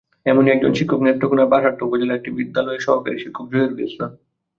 এমনই একজন শিক্ষক নেত্রকোনার বারহাট্টা উপজেলার একটি বিদ্যালয়ের সহকারী শিক্ষক জহিরুল ইসলাম।